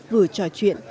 vừa trò chuyện